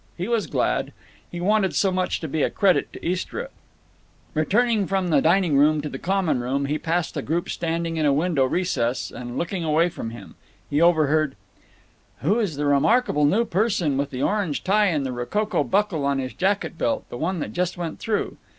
He was glad. He wanted so much to be a credit to Istra. Returning from the dining room to the common room, he passed a group standing in a window recess and looking away from him. He overheard: "Who is the remarkable new person with the orange tie and the rococo buckle on his jacket belt—the one that just went through?